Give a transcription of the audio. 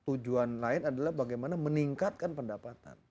tujuan lain adalah bagaimana meningkatkan pendapatan